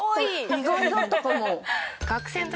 意外だったかも。